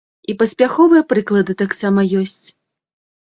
І паспяховыя прыклады таксама ёсць.